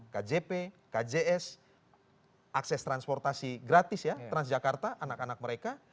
kjp kjs akses transportasi gratis ya transjakarta anak anak mereka